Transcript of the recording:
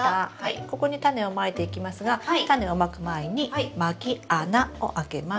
ここにタネをまいていきますがタネをまく前にまき穴をあけます。